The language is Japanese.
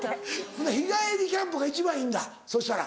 ほな日帰りキャンプが一番いいんだそしたら。